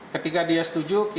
ketika dia setuju kita kerjakan